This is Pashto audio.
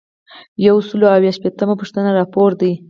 یو سل او اووه شپیتمه پوښتنه راپور دی.